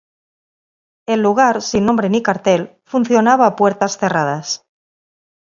El lugar, sin nombre ni cartel, funcionaba a puertas cerradas.